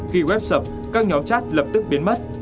khi web sập các nhóm chat lập tức biến mất